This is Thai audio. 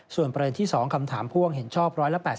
ส่วนประเด็นที่๒คำถามพ่วงเห็นชอบ๑๘๐